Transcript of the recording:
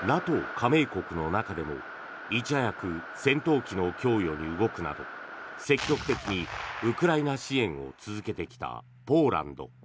加盟国の中でもいち早く戦闘機の供与に動くなど積極的にウクライナ支援を続けてきたポーランド。